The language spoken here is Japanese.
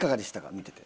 見てて。